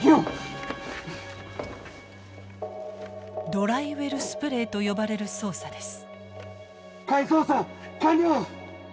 ドライウェルスプレイと呼ばれる操作です。